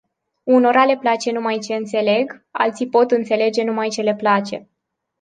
Unora le place numai ce înțeleg, alții pot înțelege numai ce le place.